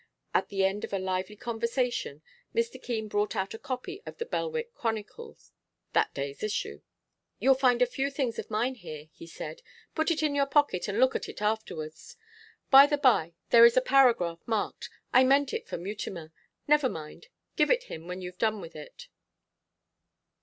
At the end of a lively conversation Mr. Keene brought out a copy of the 'Belwick Chronicle,' that day's issue. 'You'll find a few things of mine here,' he said. 'Put it in your pocket, and look at it afterwards. By the by, there is a paragraph marked; I meant it for Mutimer. Never mind, give it him when you've done with it.